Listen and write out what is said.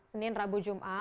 senin rabu jumat